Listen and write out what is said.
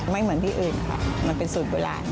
เหมือนที่อื่นค่ะมันเป็นสูตรโบราณ